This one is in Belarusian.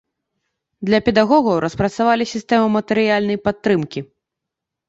Для педагогаў распрацавалі сістэму матэрыяльнай падтрымкі.